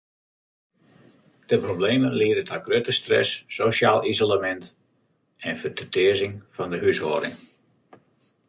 De problemen liede ta grutte stress, sosjaal isolemint en fertutearzing fan de húshâlding.